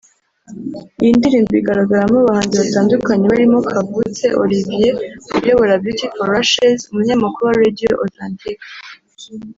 Iyi ndirimbo igaragaramo abahanzi batandukanye barimo Kavutse Olivier uyobora Beauty For Ashes; umunyamakuru wa Radio Authentic